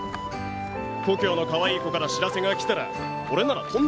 故郷のかわいい子から知らせが来たら俺なら飛んで帰る。